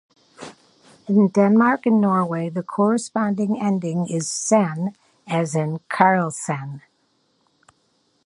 In Denmark and Norway, the corresponding ending is "-sen", as in "Karlsen".